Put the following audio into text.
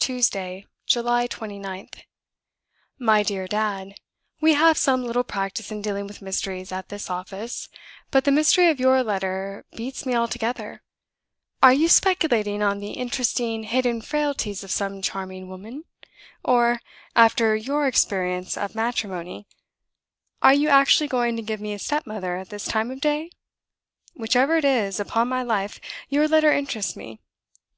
Tuesday, July 29th. "MY DEAR DAD We have some little practice in dealing with mysteries at this office; but the mystery of your letter beats me altogether. Are you speculating on the interesting hidden frailties of some charming woman? Or, after your experience of matrimony, are you actually going to give me a stepmother at this time of day? Whichever it is, upon my life your letter interests me.